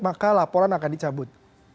maka laporan akan dicabut